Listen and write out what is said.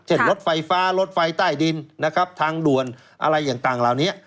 เช่นรถไฟฟ้ารถไฟใต้ดินทางด่วนอะไรอย่างต่างเหล่านี้